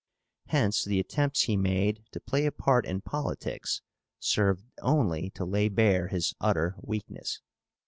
Hence the attempts he made to play a part in politics served only to lay bare his utter weakness.